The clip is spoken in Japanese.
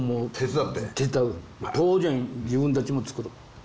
当然自分たちも作る。